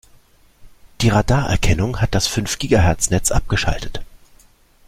Die Radarerkennung hat das fünf Gigahertz-Netz abgeschaltet.